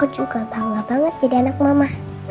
juga bangga banget jadi anak mama